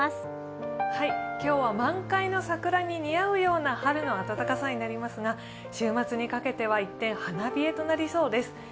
今日は満開の桜に似合うような春の暖かさになりますが週末にかけては一転、花冷えとなりそうです。